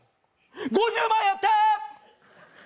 ５０万やって！